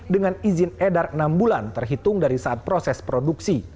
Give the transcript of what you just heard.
dengan izin edar enam bulan terhitung dari saat proses produksi